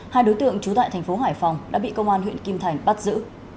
hai đối tượng trú tại thành phố hải phòng đã bị công an huyện kim thành bắt giữ